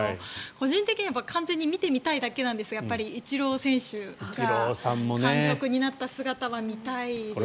個人的には完全に見てみたいだけなんですがイチロー選手が監督になった姿は見たいですよね。